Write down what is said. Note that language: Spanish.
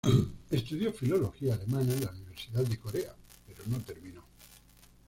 Estudió filología alemana en la Universidad de Corea, pero no terminó.